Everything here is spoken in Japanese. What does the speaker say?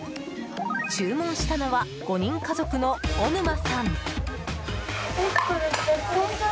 注文したのは５人家族の小沼さん。